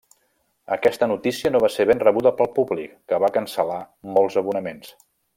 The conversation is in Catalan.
Aquesta notícia no va ser ben rebuda pel públic, que va cancel·lar molts abonaments.